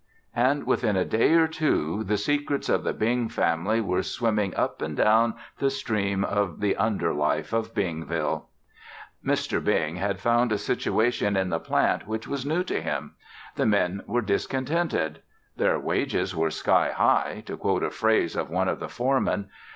And within a day or two, the secrets of the Bing family were swimming up and down the stream of the under life of Bingville. Mr. Bing had found a situation in the plant which was new to him. The men were discontented. Their wages were "sky high," to quote a phrase of one of the foremen.